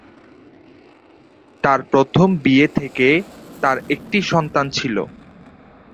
তাঁর প্রথম বিয়ে থেকে তাঁর একটি সন্তান ছিল।